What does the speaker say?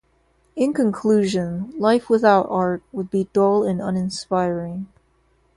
In conclusion, life without art would be dull and uninspiring.